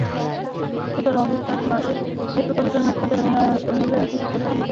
গুরুতর অবস্থায় পাশের মেট্রোপলিটান হাসপাতালে নেওয়া হলে চিকিৎসক তাঁকে মৃত ঘোষণা করেন।